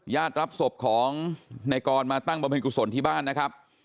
ญาติรับศพของนายกรมาตั้งบำพันธุ์กุศลที่บ้านนะครับ